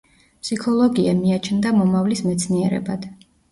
ფსიქოლოგია მიაჩნდა „მომავლის მეცნიერებად“.